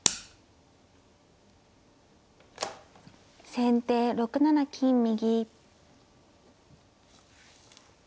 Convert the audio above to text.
先手６七金右。